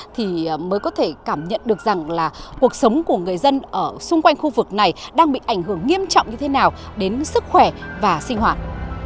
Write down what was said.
thì mới có thể cảm nhận được rằng là cuộc sống của người dân ở xung quanh khu vực này đang bị ảnh hưởng nghiêm trọng như thế nào đến sức khỏe và sinh hoạt